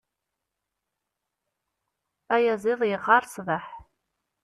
Ayaziḍ yeɣɣar ṣṣbeḥ.